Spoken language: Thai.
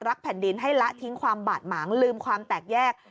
แผ่นดินให้ละทิ้งความบาดหมางลืมความแตกแยก